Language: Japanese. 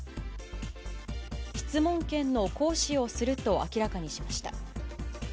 質問権の行使をすると明らかにしました。